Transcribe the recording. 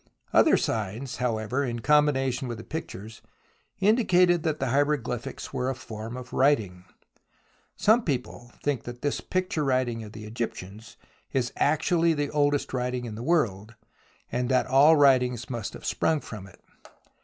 Other signs, however, in combination with the pictures, indicated that the hieroglyphics were a form of writing. Some people think that this picture writing of the Egyptians is actually the 6 THE ROMANCE OF EXCAVATION oldest writing in the world, and that all writings must have sprung from it.